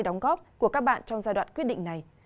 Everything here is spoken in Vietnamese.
đóng góp của các bạn trong giai đoạn quyết định này